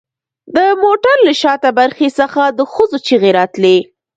د موټر له شاته برخې څخه د ښځو چیغې راتلې